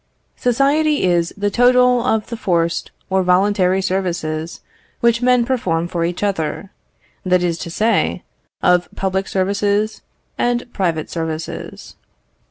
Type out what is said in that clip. Society is the total of the forced or voluntary services which men perform for each other; that is to say, of public services and private services.